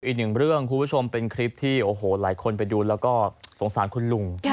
อีกหนึ่งเรื่องคุณผู้ชมเป็นคลิปที่โอ้โหหลายคนไปดูแล้วก็สงสารคุณลุง